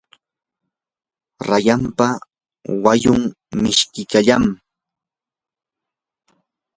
rayanpa wayun mishkillam.